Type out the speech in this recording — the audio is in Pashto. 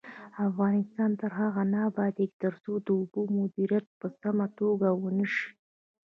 افغانستان تر هغو نه ابادیږي، ترڅو د اوبو مدیریت په سمه توګه ونشي.